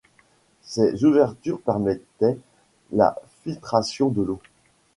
Ces ouvertures permettaient la filtration de l’eau.